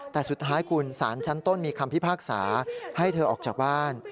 แต่สุดท้ายคุณสารชั้นต้นมีคำพิพากษาให้เธอออกจากบ้าน